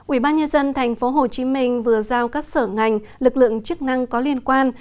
ủy ban nhân dân tp hcm vừa giao các sở ngành lực lượng chức năng có liên quan